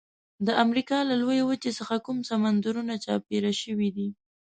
د امریکا له لویې وچې څخه کوم سمندرونه چاپیر شوي دي؟